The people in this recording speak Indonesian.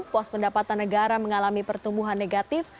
pos pendapatan negara mengalami pertumbuhan negatif